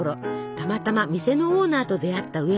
たまたま店のオーナーと出会った植松さん。